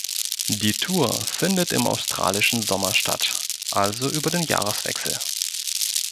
Die Tour findet im australischen Sommer statt, also über den Jahreswechsel.